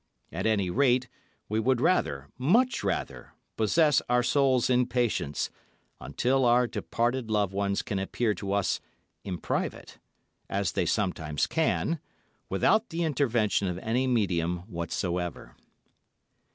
At any rate, we would rather—much rather—possess our souls in patience, until our departed loved ones can appear to us in private—as they sometimes can—without the intervention of any medium whatsoever.